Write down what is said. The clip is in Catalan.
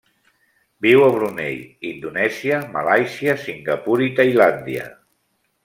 Viu a Brunei, Indonèsia, Malàisia, Singapur i Tailàndia.